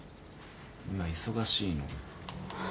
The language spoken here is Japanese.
今忙しいの。